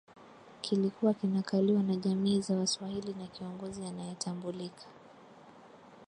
kilikuwa kinakaliwa na jamii za Waswahili na kiongozi anayetambulika